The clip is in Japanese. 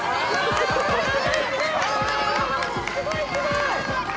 すごいすごい！